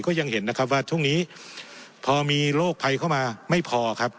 ยังเห็นนะครับว่าช่วงนี้พอมีโรคภัยเข้ามาไม่พอครับ